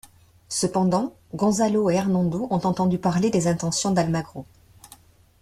Cependant, Gonzalo et Hernándo ont entendu parler des intentions d'Almagro.